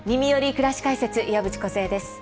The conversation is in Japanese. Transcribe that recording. くらし解説」岩渕梢です。